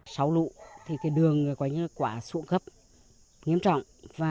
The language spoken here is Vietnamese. sáu lũ đường quá suộng gấp nghiêm trọng